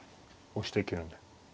押していけるんで。